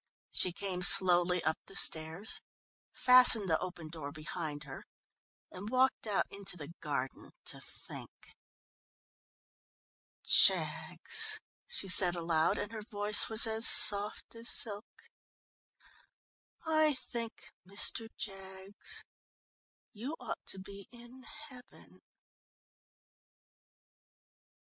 She came slowly up the stairs, fastened the open door behind her, and walked out into the garden to think. "Jaggs!" she said aloud, and her voice was as soft as silk. "I think, Mr. Jaggs, you ought to be in heaven."